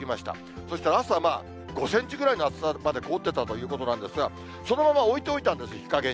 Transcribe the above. そうしたら朝、５センチぐらいの厚さまで凍ってたということなんですが、そのまま置いておいたんです、日陰に。